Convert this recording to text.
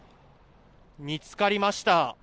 見つかりました。